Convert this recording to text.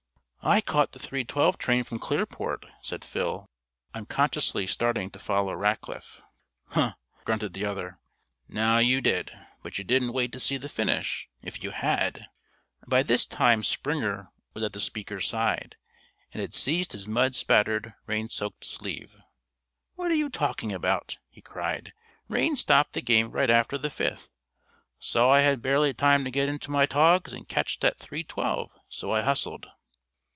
"I caught the three twelve train from Clearport," said Phil, unconsciously starting to follow Rackliff. "Huh!" grunted the other. "Know you did, but you didn't wait to see the finish. If you had " By this time Springer was at the speaker's side and had seized his mud spattered, rain soaked sleeve. "What are you talking about?" he cried. "Rain stopped the game right after the fifth. Saw I had barely time to get into my togs and catch that three twelve, so I hustled."